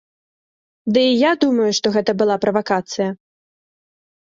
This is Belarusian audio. Ды і я думаю, што гэта была правакацыя.